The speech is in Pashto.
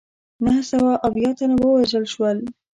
نهه سوه یو اویا تنه ووژل شول.